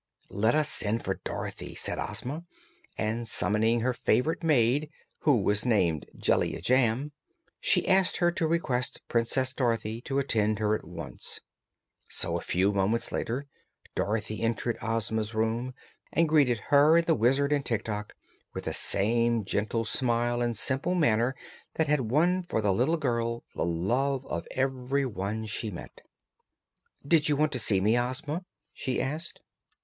"Let us send for Dorothy," said Ozma, and summoning her favorite maid, who was named Jellia Jamb, she asked her to request Princess Dorothy to attend her at once. So a few moments later Dorothy entered Ozma's room and greeted her and the Wizard and Tik Tok with the same gentle smile and simple manner that had won for the little girl the love of everyone she met. "Did you want to see me, Ozma?" she asked.